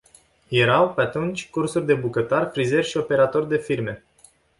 Erau, pe atunci, cursuri de bucătar, frizer și operator de firme.